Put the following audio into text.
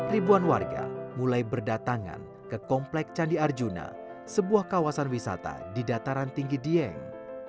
ribuan warga mulai berdatangan ke komplek candi arjuna sebuah kawasan wisata di dataran tinggi dieng